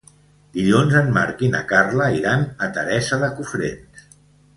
Dilluns en Marc i na Carla iran a Teresa de Cofrents.